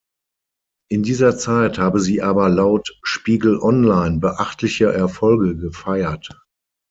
In dieser Zeit habe sie aber laut "Spiegel Online" „beachtliche“ Erfolge gefeiert.